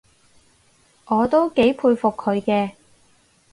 我都幾佩服佢嘅